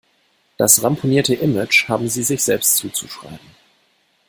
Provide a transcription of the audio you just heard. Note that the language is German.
Das ramponierte Image haben sie sich selbst zuzuschreiben.